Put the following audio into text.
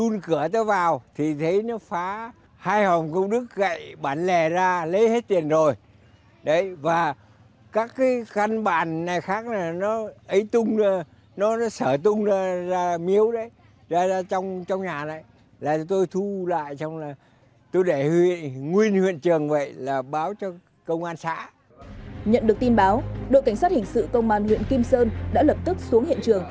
nhận được tin báo đội cảnh sát hình sự công an huyện kim sơn đã lập tức xuống hiện trường